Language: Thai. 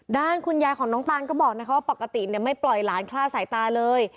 ด้านคุณยายของน้องตานก็บอกนะคะว่าปกติไม่ปล่อยหลานคลาดสายตาเลย